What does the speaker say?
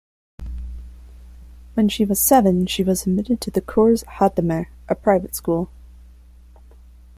When she was seven she was admitted to the Cours Hattemer, a private school.